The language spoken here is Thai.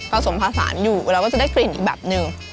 ผสมผสานอยู่เราก็จะได้กลิ่นอีกแบบหนึ่ง